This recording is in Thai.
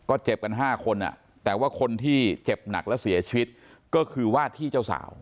ก็เจ็บกัน๕คนแต่ว่าคนที่เจ็บหนักและเสียชีวิตก็คือว่าที่เจ้าสาว